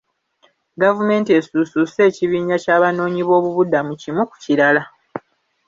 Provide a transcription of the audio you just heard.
Gavumenti esuusuuse ekibinja ky'abanoonyiboobubudamu kimu ku kirala.